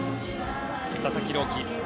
佐々木朗希。